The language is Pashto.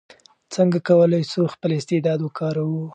څنګه کولای سو خپل استعداد وکاروو؟